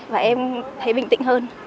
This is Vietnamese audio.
và em thấy bình tĩnh hơn